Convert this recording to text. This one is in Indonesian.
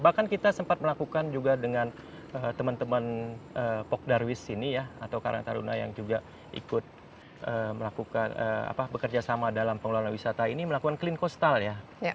bahkan kita sempat melakukan juga dengan teman teman pok darwis ini ya atau karang taruna yang juga ikut melakukan bekerjasama dalam pengelola wisata ini melakukan clean coastal ya